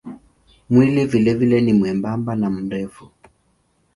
Mwili vilevile ni mwembamba na mrefu.